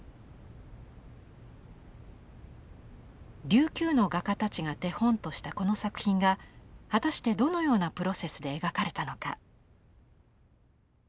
琉球の画家たちが手本としたこの作品が果たしてどのようなプロセスで描かれたのか。